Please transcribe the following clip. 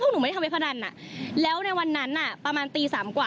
พวกหนูไม่ได้ทำเวพรรณอ่ะแล้วในวันนั้นอ่ะประมาณตีสามกว่า